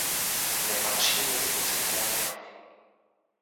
Nepatří mezi oceněné filmy.